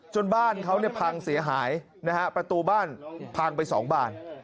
บ้านเขาเนี่ยพังเสียหายนะฮะประตูบ้านพังไป๒บาน